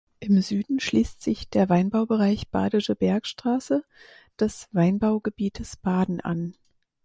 Im Süden schließt sich der Weinbaubereich Badische Bergstraße des Weinbaugebietes Baden an.